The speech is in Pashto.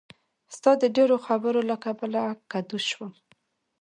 ستا د ډېرو خبرو له کبله کدو شوم.